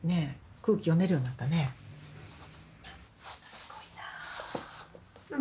すごいな。